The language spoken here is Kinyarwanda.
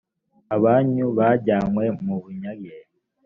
abanyu bajyanywe mu bunyage